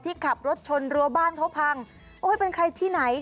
ที่ขับรถชนรั้วบ้านเขาเอ้ยเป็นใครที่ไหน